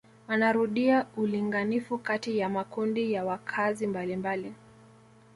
Anarudia ulinganifu kati ya makundi ya wakaazi mbalimbali